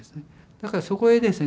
だからそこへですね